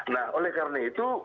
nah oleh karena itu